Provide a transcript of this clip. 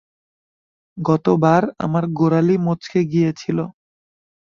গত বার আমার গোড়ালি মচকে গিয়েছিল।